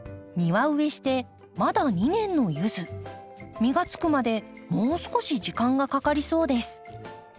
実がつくまでもう少し時間がかかりそうです。